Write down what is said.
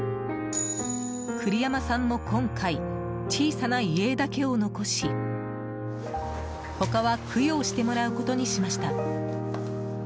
栗山さんも今回小さな遺影だけを残し他は供養してもらうことにしました。